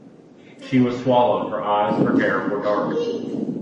She was sallow; her eyes, her hair, were dark.